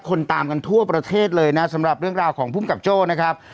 ตามกันทั่วประเทศเลยนะสำหรับเรื่องราวของภูมิกับโจ้นะครับ